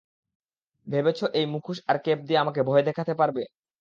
ভেবেছ এই মুখোশ আর কেপ দিয়ে আমাকে ভয় দেখাতে পারবে?